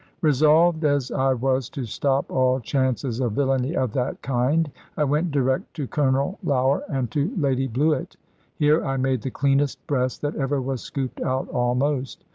Resolved as I was to stop all chances of villany of that kind, I went direct to Colonel Lougher and to Lady Bluett. Here I made the cleanest breast that ever was scooped out almost.